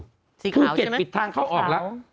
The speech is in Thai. สีขาวใช่ไหมสีขาวภูเก็ตปิดทางเขาออกแล้ว